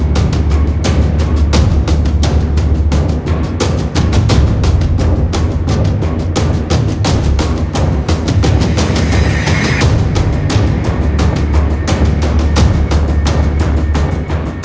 โปรดติดตามตอนต่อไป